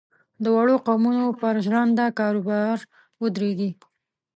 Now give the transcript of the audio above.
د وړو قومونو پر ژرنده کاروبار ودرېږي.